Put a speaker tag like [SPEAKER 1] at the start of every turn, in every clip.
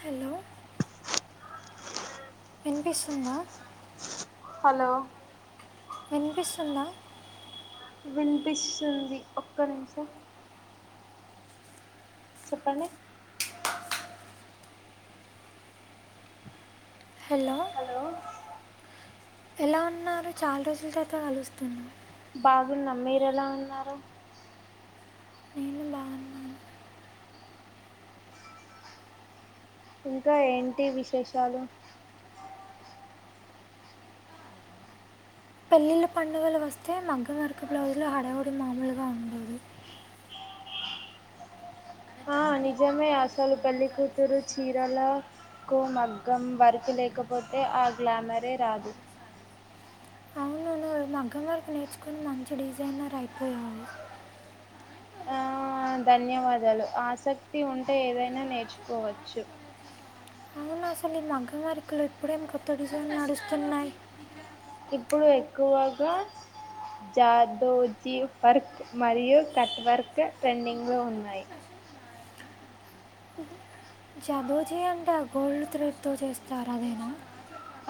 [SPEAKER 1] Hello వినిపిస్తుందా
[SPEAKER 2] hello
[SPEAKER 1] వినిపిస్తుందా
[SPEAKER 2] వినిపిస్తుంది ఒక్క నిమిషం చెప్పండి
[SPEAKER 1] హలో ఎలా ఉన్నారు చాలా రోజుల తర్వాత కలుస్తున్నాం
[SPEAKER 2] బాగున్నం మీరు ఎలా ఉన్నారు
[SPEAKER 1] నేను బాగున్నాను
[SPEAKER 2] ఇంకా ఏంటి విశేషాలు
[SPEAKER 1] పెళ్ళిళ్ళ పండుగలు వస్తే మగ్గం వర్క్ బ్లౌజ్లు హడవుడి మామూలుగా ఉండదు
[SPEAKER 2] ఆ నిజమే అసలు పెళ్లికూతురు చీరల కు మగ్గం వర్క్ లేకపోతే ఏ గ్లామరే రాదు
[SPEAKER 1] అవును మగ్గం వరకు నేర్చుకుని మంచి డిజైనర్ అయిపోయారు
[SPEAKER 2] ఆ ధన్యవాదాలు ఆసక్తి ఉంటే ఏదైనా నేర్చుకోవచ్చు
[SPEAKER 1] అవును అసలు ఈ మగ్గవర్కులు ఎప్పుడేం కొత్త డిజైన్ నడుస్తున్నాయ్
[SPEAKER 2] ఇప్పుడు ఎక్కువగా జాదోజీ వర్క్ మరియు కట్వర్క్ ట్రెండింగ్ లో ఉన్నాయి
[SPEAKER 1] జాదోజి అంటే గోల్డ్ త్రేడ్తో చేస్తారు అదేనా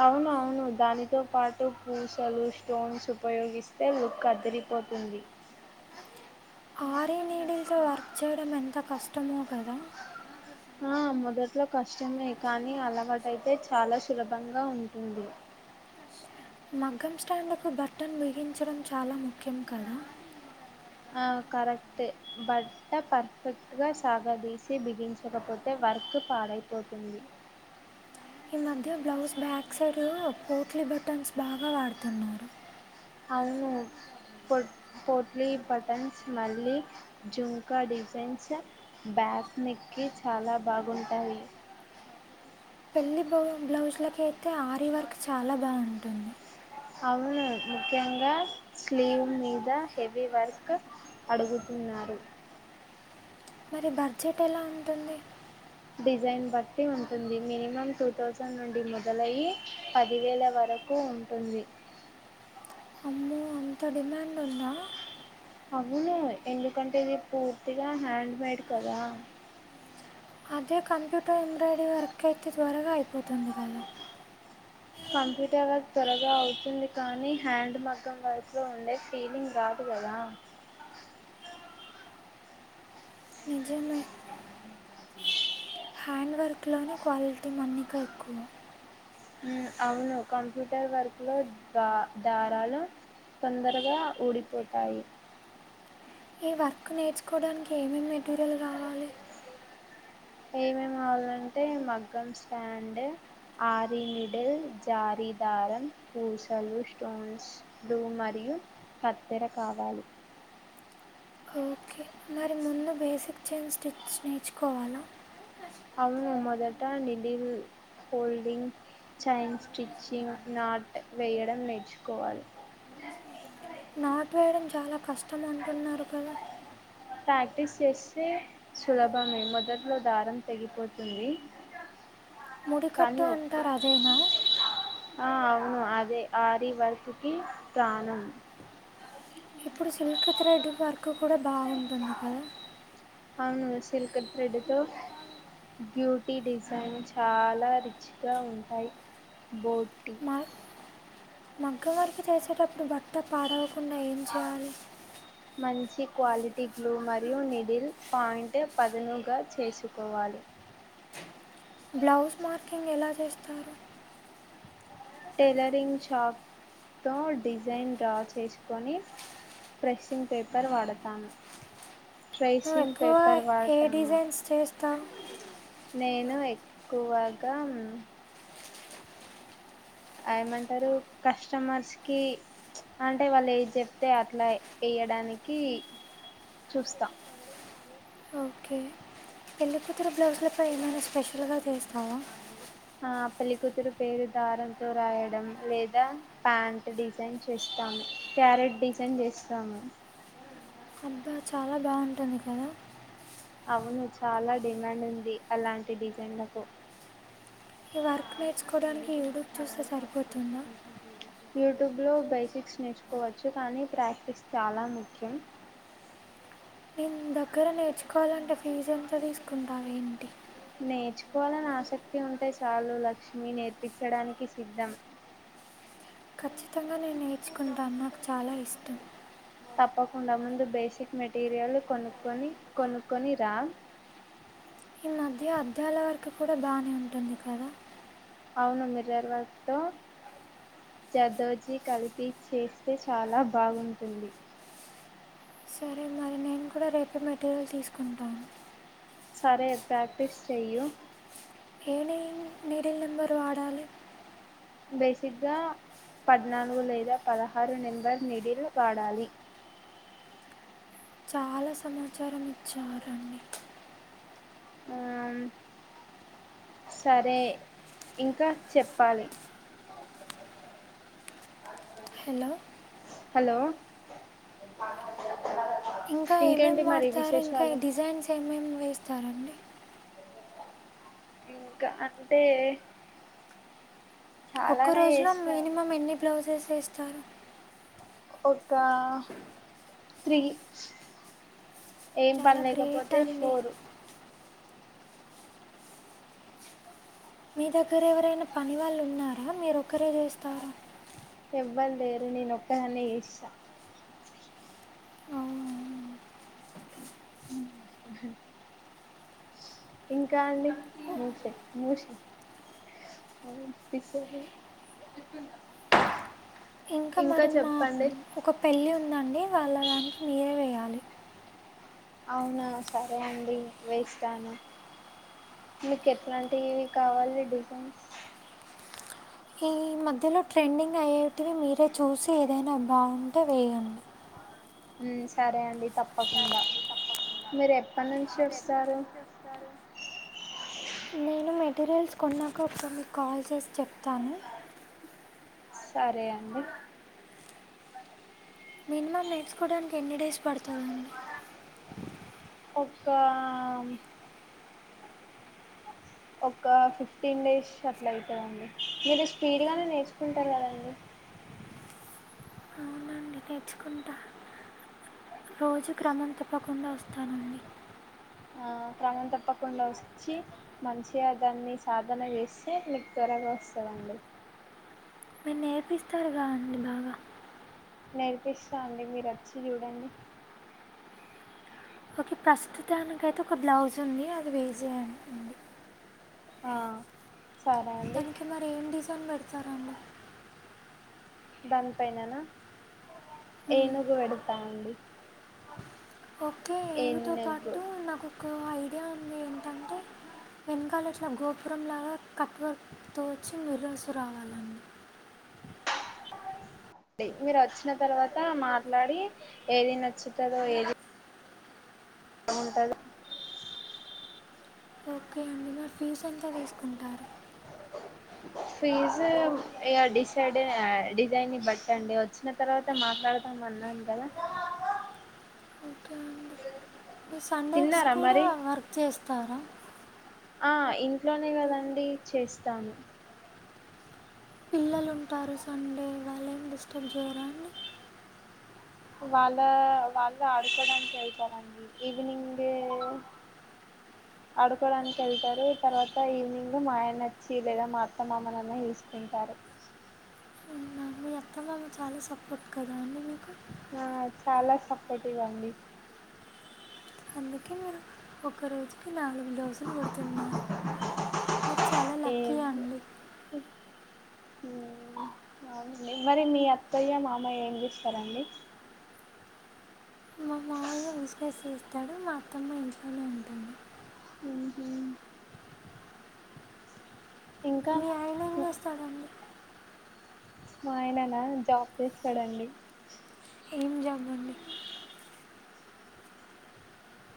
[SPEAKER 2] అవును అవును దానితో పాటు పూసలు స్టోన్స్ ఉపయోగిస్తే లుక్ అదిరిపోతుంది
[SPEAKER 1] ఆరే నీడిలతో వర్క్ చేయడం ఎంత కష్టమో కదా
[SPEAKER 2] ఆ మొదట్లో కష్టమే కానీ అలవాటైతే చాలా సులభంగా ఉంటుంది
[SPEAKER 1] మగ్గం స్టాండ్లకు బట్టన్ బేగించడం చాలా ముఖ్యం కదా
[SPEAKER 2] ఆ కరెక్ట్ బట్ట పర్ఫెక్ట్ గా సాగదసి బిగించకపోతే వ వర్క్ పాడైపోతుంది
[SPEAKER 1] అ ఈ మధ్య blouse back side potli buttons బాగా వాడుతున్నారు
[SPEAKER 2] అవును పోట్ పోట్లీ బటన్స్ మళ్ళీ జుంకా డిజైన్స్ బ్యా క్ నెక్కి చాలా బాగుంటాయి
[SPEAKER 1] పెళ్లి బ్లౌజ్లకైతే ఆరీ వర్క్ చాలా బాగుంటుంది
[SPEAKER 2] అవును ముఖ్యంగా స్లీవ్ మీద హెవీ వర్క్ అడుగుతుం న్నరు
[SPEAKER 1] మరి బడ్జెట్ ఎలా ఉంటుంది
[SPEAKER 2] డిజైన్ బట్టి ఉంటుంది మినిమం టూ థౌజండ్ నుండి మొదలయ్యి పదివేల వరకు ఉంటుంది
[SPEAKER 1] అమ్మో అంత డిమాండ్ ఉందా
[SPEAKER 2] అవును ఎందుకంటే ఇది పూర్తిగా హ్యాండ్ మేడ్ కదా
[SPEAKER 1] అదే కంప్యూటర్ ఎంబ్రాయిడరీ వర్క్ అయితే త్వరగా అయిపోతుంది కదా
[SPEAKER 2] కంప్యూటర్ వర్క్ త్వరగా అవుతుంది కానీ హ్యాండ్ మగ్గం వర్క్ లో ఉండే ఫీలింగ్ రాదు కదా
[SPEAKER 1] నిజమే హ్యాండ్ వర్క్ లోనే క్వాలిటీ మన్నిక ఎక్కువ
[SPEAKER 2] అవును కంప్యూటర్ వర్క్ లో మ్ దారాలు తొందరగా ఊడిపోతాయి
[SPEAKER 1] ఈ వర్క్ నేర్చుకోవడానికి ఏమేమి మెటీరియల్ కవాలి
[SPEAKER 2] ఏమేం కావాలంటే మగ్గం స్టాండ్ ఆరినిడిల్ జారి దారం పూసలు స్టోన్స్లు మరియు కత్తిెర కావాలి
[SPEAKER 1] ఓకే మరి ముందు బేసిక్ చైన్ స్టిచ్ నేర్చుకోవాలా
[SPEAKER 2] అవును మొదటా needle holding chain stitching knot వేయడం నేర్చుకోవాలి
[SPEAKER 1] నాటు వేయడం చాలా కష్టం అంటున్నారు కదా
[SPEAKER 2] ప్రాక్టీస్ చేస్తే సులభమే మొదట్లో దారం తెగిపోతుంది కానీ
[SPEAKER 1] ముడికట్టు
[SPEAKER 2] ఓకే
[SPEAKER 1] అంటరు అదేనా
[SPEAKER 2] ఆ అవును అదే ఆరిీ వర్క్కి ప్రానం
[SPEAKER 1] ఇప్పుడు సిల్క్ థ్రెడ్ వర్క్ కూడా బాగుంటుంది కదా
[SPEAKER 2] అవును సిల్క్ త్రేడ్ తో బ్యూటీ డిజైన్ చాలా రిచ్ గా ఉంటాయి బోటి
[SPEAKER 1] మగ్గం వర్క్ చేసేటప్పుడు బట్ట పాడవు
[SPEAKER 2] మంన్ మంచి క్వాలిటీ గ్లూ మరియు నిడిల్ పాయింట్ పదునుగా చేసుకోవాలి
[SPEAKER 1] బ్లౌజ్ మార్కింగ్ ఎలా చేస్తారు
[SPEAKER 2] టైలరింగ్ షాప్ తో డిజైన్ డ్రా చేసుకొని ప్రెస్సింగ్ పేపర్ వాడతాను
[SPEAKER 1] నువ్వు
[SPEAKER 2] టైసింగ్
[SPEAKER 1] ఎక్కువ
[SPEAKER 2] పేపర్
[SPEAKER 1] ఏ
[SPEAKER 2] వాడతామా
[SPEAKER 1] డిజైన్స్ చేస్తావు
[SPEAKER 2] నేను ఎక్కువగా ఏమంటారు కస్టమర్స్ కి అంటే వాళ్ళు ఏది చెప్తే అట్లా చేయడానికి చూస్తా
[SPEAKER 1] ఓకే పెళ్లికూతురు బ్లౌజ్లపై ఏమైనా స్పెషల్గా చేస్తావా
[SPEAKER 2] ఆ పెళ్లి కూతురు పేరు దారంతో రాయడం లేదా ప్యాంట్ డిజైన్ చేస్తాము ప్యారేట్ డిజైన్ చేస్తాము
[SPEAKER 1] బా చాలా బాగుంటుంది కదా
[SPEAKER 2] అవును చాలా డిమాండ్ ఉంది అలాంటి డిజైన్లకు
[SPEAKER 1] ఈ వర్క్ నేర్చుకోవడానికి యూట్యూబ్ చూస్తే సరిపోతుంద
[SPEAKER 2] యూట్యూబ్ లో బేసిక్స్ నేర్చుకోవచ్చు కానీ ప్రాక్టీస్ చాలా ముఖ్యం.
[SPEAKER 1] నేను దగ్గర నేర్చుకోవాలంటే ఫీజ్ ఎంతా తీసుకుంటావు ఏంటి
[SPEAKER 2] నేర్చుకోవాలని ఆసక్తి ఉంటే చాలు లక్ష్మి నేర్పించడానికి సిద్ధం
[SPEAKER 1] ఖచ్చితంగా నేను నేర్చుకుంటా నాకు చాలా ఇష్టం
[SPEAKER 2] తప్పకుండా ముందు బేసిక్ మెటీరియల్ కొనుక్కొని కొనుక్కొని రా
[SPEAKER 1] ఈ మధ్య అద్దాల వర్క్ కూడా బానే ఉంటుంది కదా
[SPEAKER 2] అవును మిర్రర్ వర్క్ తో జర్దోజి కలిపి చేస్తే చాలా బాగుంటుంది
[SPEAKER 1] సరే మరి నేను కూడా రేపే మెటీరియల్ తీసుకుంటాను
[SPEAKER 2] సరే ప్రాక్టీస్ చెయ్యు
[SPEAKER 1] ఏ నీ నీడిల్ నెంబరు వాడాలి
[SPEAKER 2] బేసిగ్గా పద్నాలుగు లేదా పదహారు నెంబర్ నీడిల్ వాడాలి
[SPEAKER 1] చాలా సమాచారం ఇచ్చారండి
[SPEAKER 2] ఆమ్ సరే ఇంకా చెప్పాలి అ
[SPEAKER 1] హలో
[SPEAKER 2] హలో
[SPEAKER 1] ఇంకా ఏమేమి
[SPEAKER 2] ఇంకేంటి మరి
[SPEAKER 1] వాడతారు ఇంకా
[SPEAKER 2] విశేషాలు
[SPEAKER 1] డిజైన్స్ ఏమేమి వేస్తారండి
[SPEAKER 2] ఇంకా అంటే
[SPEAKER 1] ఒక్క
[SPEAKER 2] చాలానే
[SPEAKER 1] రోజులో
[SPEAKER 2] చేస్తాను
[SPEAKER 1] మినిమం ఎన్ని బ్లౌజెస్ వేస్తారు
[SPEAKER 2] ఒక్క త్రీ ఏం
[SPEAKER 1] చాలా గ్రేట్
[SPEAKER 2] పనిలేకపోతే
[SPEAKER 1] అండి
[SPEAKER 2] ఫోర్
[SPEAKER 1] మీ దగ్గర ఎవరైనా పని వాళ్ళు ఉన్నారా మీరొక్కరే చేస్తారు
[SPEAKER 2] ఎవ్వరు లేరు నేను ఒక్కదనే చేస్తా
[SPEAKER 1] అవునా.
[SPEAKER 2] ఉమ్ ఇంకా అండి మూషే మూషి తింటున్న
[SPEAKER 1] ఇంకా మరి మా ఒక పెళ్ళి ఉందండి వాళ్ళ దానికి మీరే వెయ్యాలి
[SPEAKER 2] అవునా సరే అండి వేస్తాను మీకు ఎట్లాంటివి కావాలి డిజైన్స్
[SPEAKER 1] ఈ మధ్యలో ట్రెండింగ్ అయ్యేటివి మీరే చూసి ఏదైనా బాగుంటే వేయండి
[SPEAKER 2] సరే అండి తప్పకుండా మీరు ఎప్పటి నుంచి వస్తారు
[SPEAKER 1] నేను మెటీరియల్స్ కొన్నాక, ఒకసారి మీకు కాల్ చేసి చెప్తాను.
[SPEAKER 2] సరే అండి.
[SPEAKER 1] మినిమం నేర్చుకోడానికి ఎన్ని డేస్ పడుతుందండి?
[SPEAKER 2] ఒక్క ఒక్క ఫిఫ్టీన్ డేస్ అట్ల అయితదండి. మీరు స్పీడ్గానే నేర్చుకుంటారు కదండి!
[SPEAKER 1] అవునండి నేర్చుకుంటా. రోజు క్రమం తప్పకుండా వస్తానండి.
[SPEAKER 2] ప్రమం తప్పకుండా వచ్చి, మంచిగ దాన్ని సాధన చేస్తే మీకు త్వరగా వస్తదన్
[SPEAKER 1] మీరు నేర్పిస్తారుగా అండి బాగా?
[SPEAKER 2] నేర్పిస్తా అండి. మీరు వచ్చి చూడండి.
[SPEAKER 1] ఓకే ప్రస్తుతానికి ఐతే ఒక బ్లౌజ్ ఉంది. అది వేర్ చేయని ఉంది.
[SPEAKER 2] ఆ సరే అండి
[SPEAKER 1] దానికి మరి ఏం డిజైన్ పెడతారండి?
[SPEAKER 2] దాని పైన నా, ఏనుగు పెడతా అండి.
[SPEAKER 1] ఓకె. ఏనుగుతో
[SPEAKER 2] ఏనుగు
[SPEAKER 1] పాటు నాకు ఒక ఐడియా ఉంది. ఏంటంటే, వెనకాల ఇట్ల గోపురంలాగా కట్వర్క్తో వచ్చి, మిర్రర్స్ రావాలండి.
[SPEAKER 2] అ మీరు వచ్చిన తర్వాత మాట్లాడి, ఏది నచ్చుతదో, ఏది ఏముంటదో
[SPEAKER 1] ఓకే అండి. మరి ఫీజ్ ఎంత తీసుకుంటారు?
[SPEAKER 2] ఫీజు ఇగ డిసైడ్ డిజైన్ బట్టి అండి. వచ్చిన తర్వాత మాట్లాడదా మన్నాన్ కదా!
[SPEAKER 1] ఈ సండేస్
[SPEAKER 2] తిన్నారా
[SPEAKER 1] కూడా
[SPEAKER 2] మరి
[SPEAKER 1] వర్క్ చేస్తారా?
[SPEAKER 2] ఆ ఇంట్లోనే కదండి చేస్తాను.
[SPEAKER 1] పిల్లలుంటారు సండే, వాళ్ ఏం డిస్టర్బ్ చేయరా అండి?
[SPEAKER 2] వాళ్ళ వాళ్ళు ఆడుకోడానికి ఎళ్తారండి. ఈవినింగ్, ఆడుకోవడానికి ఎళ్తారు. తర్వాత ఈవినింగ్ మా ఆయనచ్చి లేదా మా అత్త మామలన్న చూసుకుంటారు.
[SPEAKER 1] అవునా? మీ అత్తమామలు చాల సపోర్ట్ కదా అండి మీకు?
[SPEAKER 2] ఆ వారు చాల సపోర్టివ్ అండి.
[SPEAKER 1] అందుకే మీరు, ఒకరోజు కి నాలుగు బ్లౌజులు కు. మీరు చాల
[SPEAKER 2] ఏ
[SPEAKER 1] లక్కీ అండి.
[SPEAKER 2] మ్ అవునండి. మరి మీ అత్తయ్య, మామయ్య ఏం చేస్తారండి? బ
[SPEAKER 1] విస్కస్ చేస్తాడు. మా అత్తమ్మ ఇంట్లోనే ఉంటుంది.
[SPEAKER 2] ఇంకా
[SPEAKER 1] మీ ఆయన ఏం చేస్తాడండి?
[SPEAKER 2] మా ఆయననా జాబ్ చేస్తాడండి
[SPEAKER 1] ఏం జాబ్ అండి?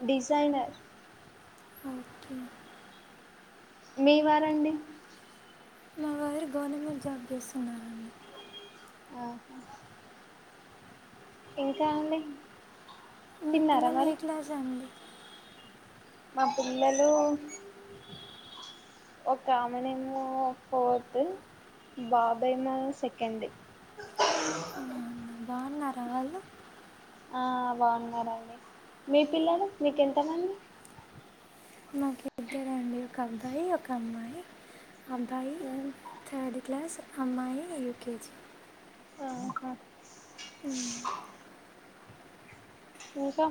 [SPEAKER 2] డిజైనర్
[SPEAKER 1] ఓకె
[SPEAKER 2] మీ వారండి?
[SPEAKER 1] మాయరు గవర్నమెంట్ జాబ్ చేస్తున్నారండి.
[SPEAKER 2] ఆహా ఇంకా అండి?
[SPEAKER 1] మీ
[SPEAKER 2] తిన్నారా
[SPEAKER 1] పిల్లల్ ఏ
[SPEAKER 2] మరి
[SPEAKER 1] క్లాస్ అండి?
[SPEAKER 2] మా పిల్లలు ఓక అమెనేమో ఫోర్త్ బాబేమో సెకండ్
[SPEAKER 1] అవునా, బాగున్నారా వాళ్ళు
[SPEAKER 2] ఆ బాగున్నారండి మీ పిల్లలు మీకెంతమంది
[SPEAKER 1] మాకు ఇద్దరండి ఒక అబ్బాయి, ఒక అమ్మాయి, అబ్బాయి థర్డ్ క్లాస్. అమ్మాయి యూకేజీ
[SPEAKER 2] రావ్ అకా
[SPEAKER 1] హ్మ్
[SPEAKER 2] ఇంకా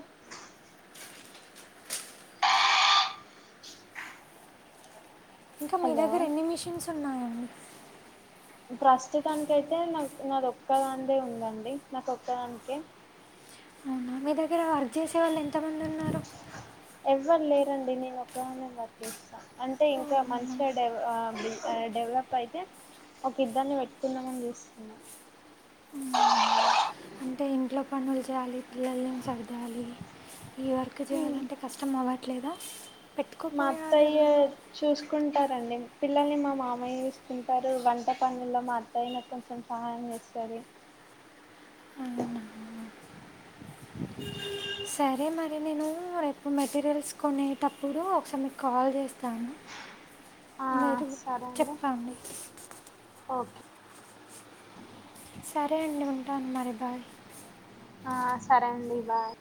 [SPEAKER 1] ఇంకా మీ
[SPEAKER 2] హలో
[SPEAKER 1] దగ్గర ఎన్ని మిషన్స్ ఉన్నాయండి
[SPEAKER 2] ప్రస్తుతానికి అయితే నాకు నాది ఒక్కదాందే ఉందండి నాక ఒక్కదానికే.
[SPEAKER 1] మీ దగ్గర వర్క్ చేసే వాళ్ళు ఎంతమంది ఉన్నారు
[SPEAKER 2] ఎవ్వరు లేరండి నేను ఒక్కదాన్నే వర్క్ చేస్తా అంటే ఇంకా
[SPEAKER 1] అవునా
[SPEAKER 2] మంచిగాడెవ్ ఆ డె డెవలప్ అయితే ఒక ఇద్దరిన్ని పెట్టుకుందామని చూస్తున్నా
[SPEAKER 1] అంటే ఇంట్లో పనులు చేయాలి పిల్లల్ని సర్దాలి ఈ వర్క్ చెయ్యాలంటే కష్టం అవ్వ ట్లేదా
[SPEAKER 2] మా అత్తయ్య చూస్కుం టారండి పిల్లల్ని మా మామయ్య చూసుకుంటారు వంట పనుల్లో మా అత్తయ్య నాకు కొంచెం సహాయం చేస్ తది
[SPEAKER 1] సరే మరి నేను రేపు మెటీరియల్స్ కొనేటప్పుడు ఒకసారి మీకు కాల్ చేస్తాను
[SPEAKER 2] ఆ
[SPEAKER 1] మీరు చెప్పండి
[SPEAKER 2] ఆక్కి
[SPEAKER 1] సరే అండి ఉంటాను మరి బాయ్
[SPEAKER 2] ఆ సరే అండి బాయ్